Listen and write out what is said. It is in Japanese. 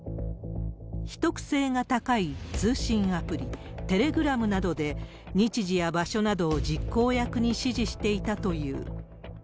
秘匿性が高い通信アプリ、テレグラムなどで日時や場所などを実行役に指示していたという。